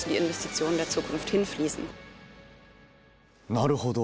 なるほど。